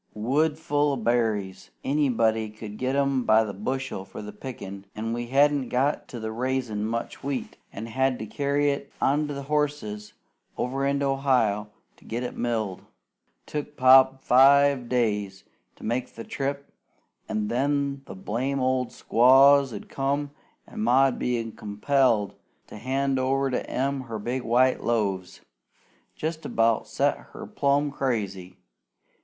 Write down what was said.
Woods full o' berries! Anybody could get 'em by the bushel for the pickin', an' we hadn't got on to raisin' much wheat, an' had to carry it on horses over into Ohio to get it milled. Took Pa five days to make the trip; an' then the blame old squaws 'ud come, an' Ma 'ud be compelled to hand over to 'em her big white loaves. Jest about set her plumb crazy.